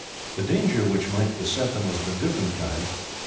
The danger which might beset them was of a different kind.